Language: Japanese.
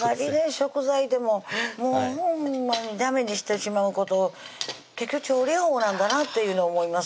食材でももうほんまにダメにしてしまうこと結局調理法なんだなっていうの思います